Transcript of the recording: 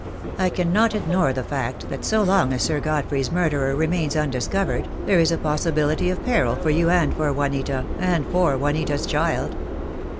I cannot ignore the fact that so long as Sir Godfrey's murderer remains un discovered, there is a possibility of peril for you and for Juanita, and for Juanita's child.